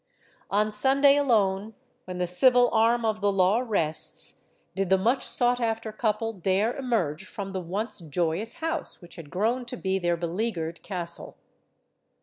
On Sunday alone when the civil arm of the law rests did the much sought after couple dare emerge from the once joyous house which had grown to be their beleaguered castle.